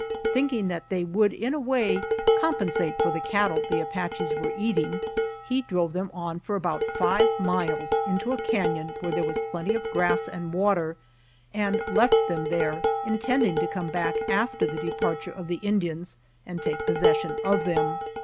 Thinking that they would in a way compensate for the cattle the Apaches were eating, he drove them on for about five miles into a canon where there was plenty of grass and water and left them there, intending to come back after the de parture of the Indians and take possession of them.